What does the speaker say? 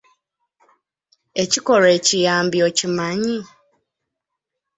Ekikolwa ekiyambi okimanyi?